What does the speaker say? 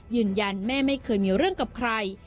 ยืนยันแม่ไม่เคยมีเรื่องกับใคร